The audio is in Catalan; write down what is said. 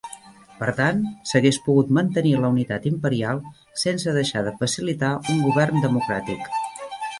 Per tant, s'hagués pogut mantenir la unitat imperial sense deixar de facilitar un govern democràtic.